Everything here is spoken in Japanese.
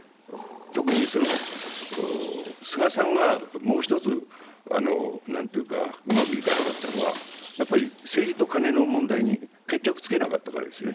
特に菅さんがもう一つうまくいかなかったのは政治とカネの問題に決着つけなかったからですよね。